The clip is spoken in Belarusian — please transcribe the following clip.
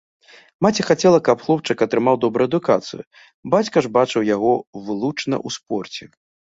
Маці хацела, каб хлопчык атрымаў добрую адукацыю, бацька ж бачыў яго вылучна ў спорце.